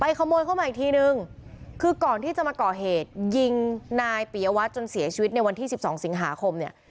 ขโมยเข้ามาอีกทีนึงคือก่อนที่จะมาก่อเหตุยิงนายปียวัตรจนเสียชีวิตในวันที่สิบสองสิงหาคมเนี่ย